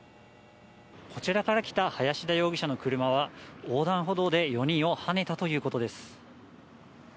こちらから来た林田容疑者の車は横断歩道で４人をはねたということです。